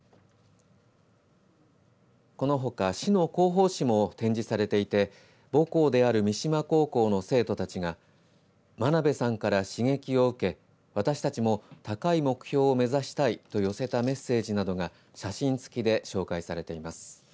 このほか市の広報誌も展示されていて母校である三島高校の生徒たちが真鍋さんから刺激を受け私たちも高い目標を目指したいと寄せたメッセージなどが写真付きで紹介されています。